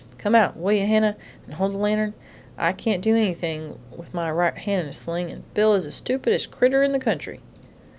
"Come out, will ye, Hannah, and hold the lantern? I can't do anything with my right hand in a sling, and Bill is the stupidest critter in the country."